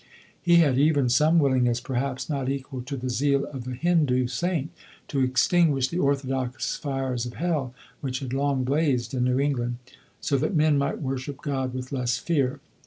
He had even some willingness, perhaps not equal to the zeal of the Hindoo saint, to extinguish the Orthodox fires of hell, which had long blazed in New England, so that men might worship God with less fear.